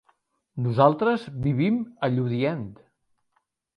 Nosaltres vivim a Lludient.